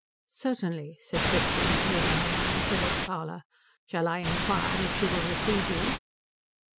"Certainly," said Fritzing, leading her into Priscilla's parlour. "Shall I inquire if she will receive you?"